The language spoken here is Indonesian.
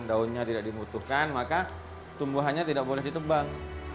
daunnya tidak dibutuhkan maka tumbuhannya tidak boleh ditebang